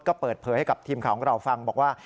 ก็เปิดเผยให้กับทีมข่าวของเราฟังบอกว่า